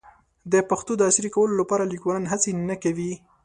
د پښتو د عصري کولو لپاره لیکوالان هڅې نه کوي.